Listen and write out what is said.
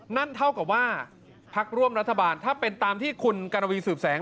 นั่นเท่ากับว่าพักร่วมรัฐบาลถ้าเป็นตามที่คุณกรวีสืบแสง